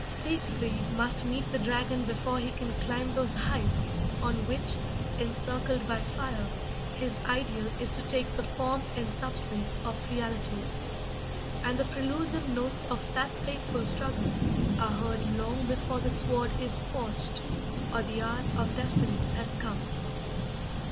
Siegfried must meet the dragon before he can climb those heights on which, encircled by fire, his ideal is to take the form and substance of reality; and the prelusive notes of that fateful struggle are heard long before the sword is forged or the hour of destiny has come.